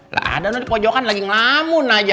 lah ada loh di pojokan lagi ngelamun aja